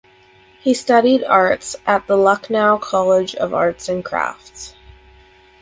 He studied arts at the Lucknow College of Arts and Crafts.